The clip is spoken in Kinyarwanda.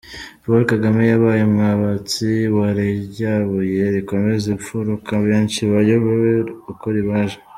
Paul Kagame yabaye umwubatsi wa rya buye rikomeza imfuruka benshi bayobewe uko ribaje